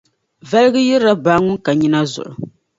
Valiga yirila baa ŋun ka nyina zuɣu.